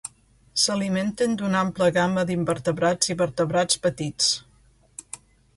S'alimenten d'una ampla gamma d'invertebrats i vertebrats petits.